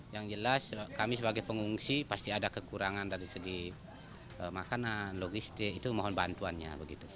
yang jelas kami sebagai pengungsi pasti ada kekurangan dari segi makanan logistik itu mohon bantuannya